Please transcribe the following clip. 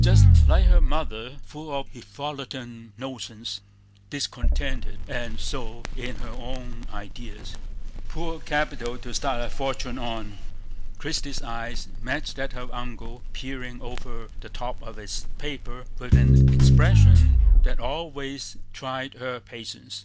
"Jest like her mother, full of hifalutin notions, discontented, and sot in her own idees. Poor capital to start a fortin' on." Christie's eye met that of her uncle peering over the top of his paper with an expression that always tried her patience.